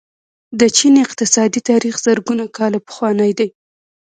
د چین اقتصادي تاریخ زرګونه کاله پخوانی دی.